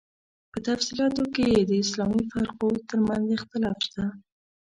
په تفصیلاتو کې یې د اسلامي فرقو تر منځ اختلاف شته.